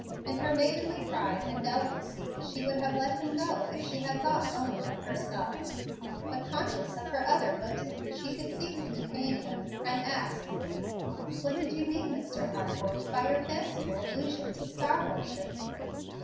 In her maidenly pride and delicacy, she would have let him go if she had thought only of herself; but, conscious of her other motive, she could seek to detain him, and asked, "What did you mean, Mr. Harcourt, by your fanciful allusion to star worship?"